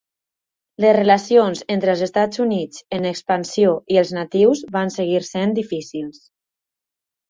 Les relacions entre els Estats Units en expansió i els natius van seguir sent difícils.